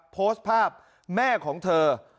โพสต์ภาพแม่ของเธอ